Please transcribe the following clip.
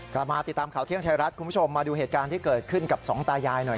กลับมาติดตามข่าวเที่ยงไทยรัฐคุณผู้ชมมาดูเหตุการณ์ที่เกิดขึ้นกับสองตายายหน่อย